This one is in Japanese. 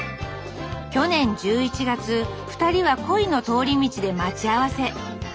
去年１１月２人は鯉の通り道で待ち合わせ。